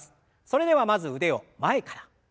それではまず腕を前から。